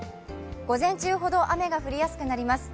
午前中ほど雨が降りやすくなります。